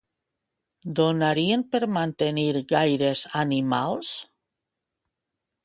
Donarien per mantenir gaires animals?